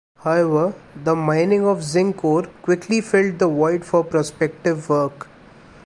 However, the mining of zinc ore quickly filled the void for prospective work.